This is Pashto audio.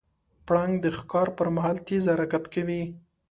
پړانګ د ښکار پر مهال تیز حرکت کوي.